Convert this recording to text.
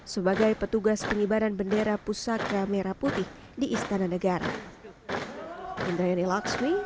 sebagai petugas pengibaran bendera pusaka merah putih di istana negara